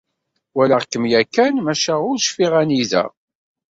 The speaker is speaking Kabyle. Walaɣ-kem yakan maca ur cfiɣ anida.